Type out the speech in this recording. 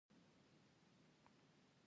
د ماشوم بستر باید نرم او پاک وي۔